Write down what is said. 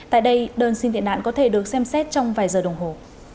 tại đây đơn xin tị nạn có thể được xem xét trong vài giờ đồng hồ